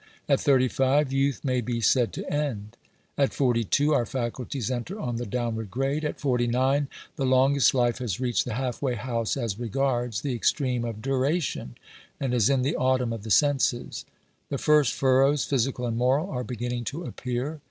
At thirty five youth may be said to end. At forty two our faculties enter on the downward grade. At forty nine the longest life has reached the half way house as regards the extreme of dura tion, and is in the autumn of the senses : the first furrows — physical and moral — are beginning to appear.